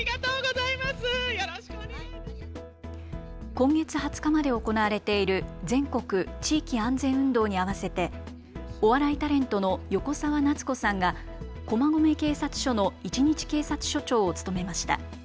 今月２０日まで行われている全国地域安全運動に合わせてお笑いタレントの横澤夏子さんが駒込警察署の一日警察署長を務めました。